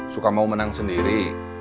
suka mau menang sendiri